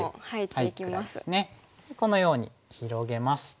このように広げますと。